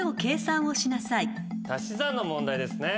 足し算の問題ですね。